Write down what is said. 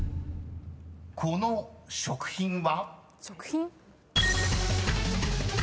［この食品は？］